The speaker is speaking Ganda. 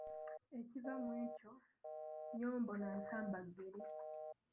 Ekiva mu ekyo nnyombo na nsambaggere.